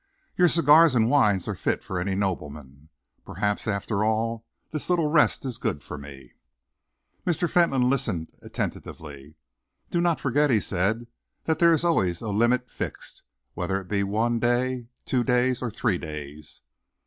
Your cigars and wines are fit for any nobleman. Perhaps, after all, this little rest is good for me." Mr. Fentolin listened attentively. "Do not forget," he said, "that there is always a limit fixed, whether it be one day, two days, or three days."